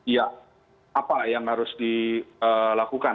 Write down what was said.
ya apa yang harus dilakukan